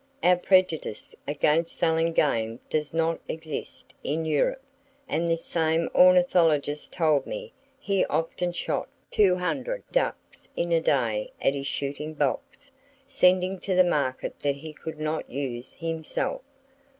Our prejudice against selling game does not exist in Europe, and this same ornithologist told me he often shot 200 ducks in a day at his shooting box, sending to the market what he could not use himself.